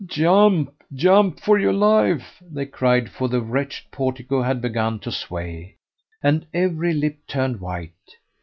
"Jump! jump for your life!" they cried, for the wretched portico had begun to sway, and every lip turned white.